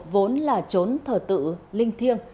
vốn là trốn thờ tự linh thiêng